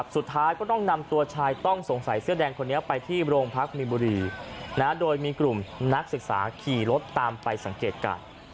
สุดท้ายก็ต้องนำตัวชายต้องสงสัยเสื้อแดงคนนี้ไปที่โรงพักมีบุรีโดยมีกลุ่มนักศึกษาขี่รถตามไปสังเกตการณ์